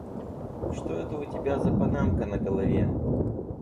Что это у тебя за панамка на голове?